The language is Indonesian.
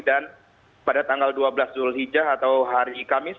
dan pada tanggal dua belas julhija atau hari kerajaan